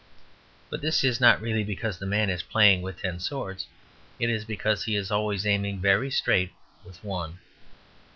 But this is not really because the man is playing with ten swords, it is because he is aiming very straight with one.